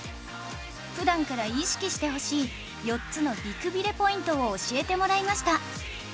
普段から意識してほしい４つの美くびれポイントを教えてもらいました